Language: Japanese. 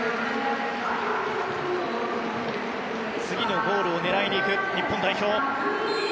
次のゴールを狙いにいく日本代表。